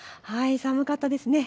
寒かったですね。